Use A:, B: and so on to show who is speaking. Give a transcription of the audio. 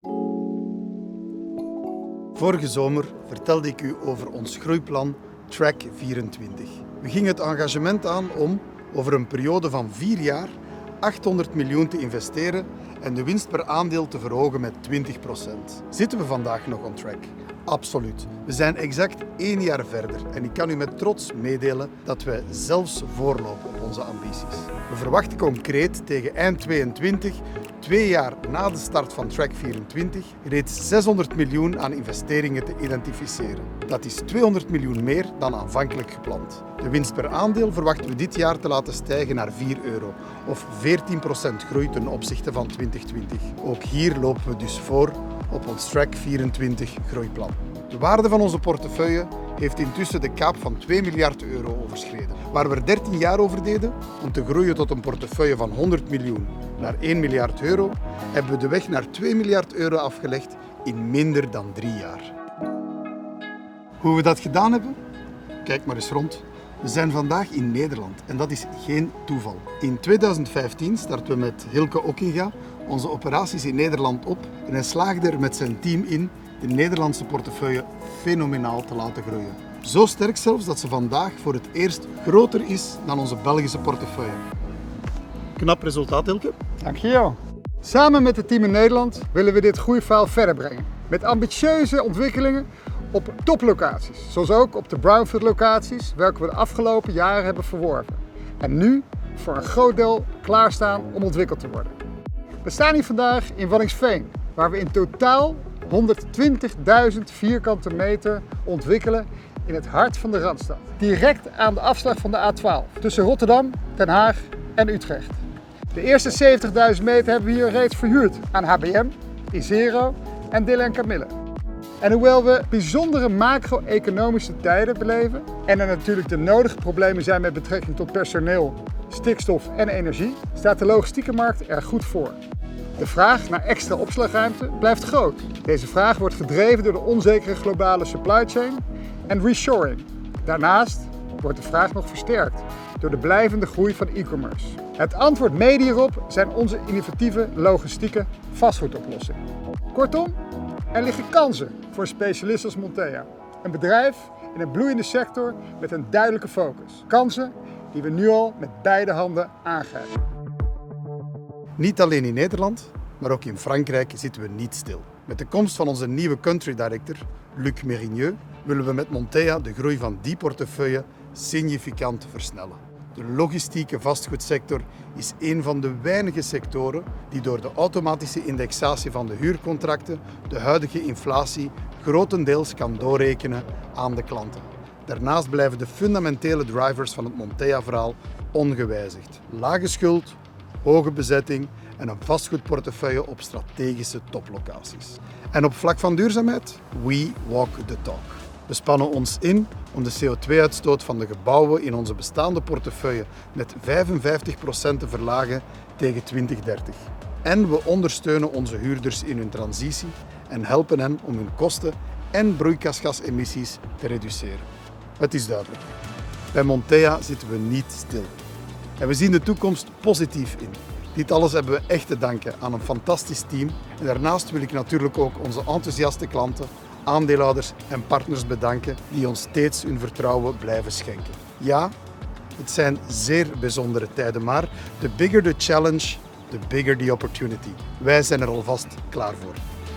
A: Vorige zomer vertelde ik u over ons groeiplan Track'24. We gingen het engagement aan om over een periode van 4 jaar 800 miljoen te investeren en de winst per aandeel te verhogen met 20%. Zitten we vandaag nog on track? Absoluut. We zijn exact 1 jaar verder en ik kan u met trots meedelen dat wij zelfs voorlopen op onze ambities. We verwachten concreet tegen eind 2022, 2 jaar na de start van Track'24, reeds 600 miljoen aan investeringen te identificeren. Dat is 200 miljoen meer dan aanvankelijk gepland. De winst per aandeel verwachten we dit jaar te laten stijgen naar 4 euro of 14% groei ten opzichte van 2020. Ook hier lopen we dus voor op ons Track'24 groeiplan. De waarde van onze portefeuille heeft intussen de kaap van 2 miljard euro overschreden. Waar we er 13 jaar over deden om te groeien tot een portefeuille van 100 miljoen naar 1 miljard euro, hebben we de weg naar 2 miljard euro afgelegd in minder dan 3 jaar. Hoe we dat gedaan hebben? Kijk maar eens rond. We zijn vandaag in Nederland en dat is geen toeval. In 2015 startten we met Hylke Okkenga onze operaties in Nederland op en hij slaagde er met zijn team in de Nederlandse portefeuille fenomenaal te laten groeien. Zo sterk zelfs dat ze vandaag voor het eerst groter is dan onze Belgische portefeuille. Knap resultaat, Hylke.
B: Dank je wel. Samen met het team in Nederland willen we dit groeiverhaal verder brengen met ambitieuze ontwikkelingen op toplocaties, zoals ook op de brownfield locaties welke we de afgelopen jaren hebben verworven en nu voor een groot deel klaar staan om ontwikkeld te worden. We staan hier vandaag in Waddinxveen waar we in totaal 120,000 vierkante meter ontwikkelen in het hart van de Randstad, direct aan de afslag van de A12 tussen Rotterdam, Den Haag en Utrecht. De eerste 70,000 meter hebben we hier reeds verhuurd aan HBM, Izero en Dille & Kamille. Hoewel we bijzondere macro-economische tijden beleven en er natuurlijk de nodige problemen zijn met betrekking tot personeel, stikstof en energie, staat de logistieke markt er goed voor. De vraag naar extra opslagruimte blijft groot. Deze vraag wordt gedreven door de onzekere globale supply chain en reshoring. Daarnaast wordt de vraag nog versterkt door de blijvende groei van e-commerce. Het antwoord mede hierop zijn onze innovatieve logistieke vastgoedoplossingen. Kortom, er liggen kansen voor een specialist als Montea. Een bedrijf in een bloeiende sector met een duidelijke focus. Kansen die we nu al met beide handen aangrijpen.
A: Niet alleen in Nederland, maar ook in Frankrijk zitten we niet stil. Met de komst van onze nieuwe Country Director Luc Mérigneux willen we met Montea de groei van die portefeuille significant versnellen. De logistieke vastgoedsector is een van de weinige sectoren die door de automatische indexatie van de huurcontracten de huidige inflatie grotendeels kan doorrekenen aan de klanten. Daarnaast blijven de fundamentele drivers van het Montea verhaal ongewijzigd lage schuld, hoge bezetting en een vastgoedportefeuille op strategische toplocaties en op vlak van duurzaamheid, we walk the talk. We spannen ons in om de CO₂-uitstoot van de gebouwen in onze bestaande portefeuille met 55% te verlagen tegen 2030. We ondersteunen onze huurders in hun transitie en helpen hen om hun kosten en broeikasgasemissies te reduceren. Het is duidelijk bij Montea zitten we niet stil en we zien de toekomst positief in. Dit alles hebben we echt te danken aan een fantastisch team. Daarna wil ik natuurlijk ook onze enthousiaste klanten, aandeelhouders en partners bedanken die ons steeds hun vertrouwen blijven schenken. Ja, het zijn zeer bijzondere tijden, maar, the bigger the challenge, the bigger the opportunity. Wij zijn er alvast klaar voor.